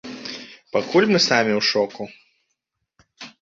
Пакуль мы самі ў шоку.